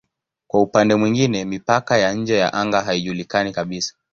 Kwa upande mwingine mipaka ya nje ya anga haijulikani kabisa.